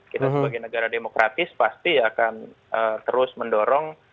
kita sebagai negara demokratis pasti akan terus mendorong